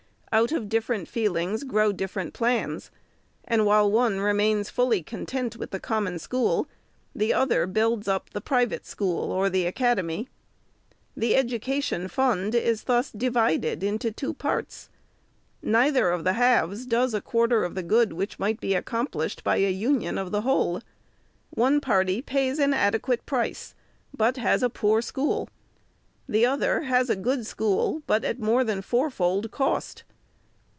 Out of different feelings grow dif ferent plans ; and while one remains fully content with the Common School, the other builds up the private school or the academy. The education fund is thus divided into two parts. Neither of the halves does a quarter of the good which might be accomplished by a union of the whole. One party pays an adequate price, but has a poor school ; the other has a good school, but at more than fourfold cost.